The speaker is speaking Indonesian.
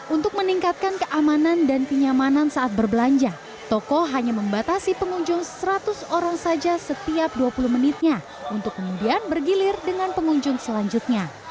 untuk meningkatkan keamanan dan kenyamanan saat berbelanja toko hanya membatasi pengunjung seratus orang saja setiap dua puluh menitnya untuk kemudian bergilir dengan pengunjung selanjutnya